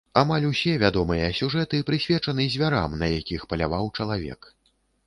Амаль усе вядомыя сюжэты прысвечаны звярам, на якіх паляваў чалавек.